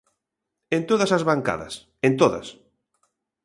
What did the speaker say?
En todas as bancadas, en todas.